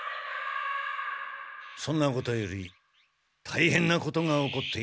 そんなことよりたいへんなことが起こっているのだ。